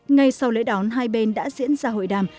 ngay sau lễ đón hai bên đã diễn ra hội đàm